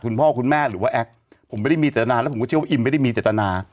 คุณพ่อคุณแม่หรือว่าแอคผมไม่ได้มีจตนาแล้วผมก็เชื่อว่าอิมไม่ได้มีเจตนา